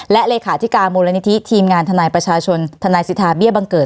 และเลขาธิการมูลนิธิทีมงานทนายประชาชนทนายสิทธาเบี้ยบังเกิด